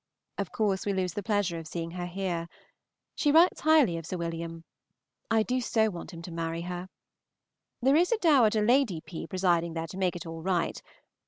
Of course we lose the pleasure of seeing her here. She writes highly of Sir Wm. I do so want him to marry her. There is a Dow. Lady P. presiding there to make it all right.